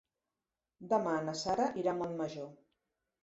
Demà na Sara irà a Montmajor.